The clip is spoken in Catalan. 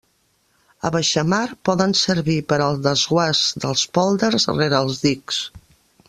A baixamar poden servir per al desguàs dels pòlders rere els dics.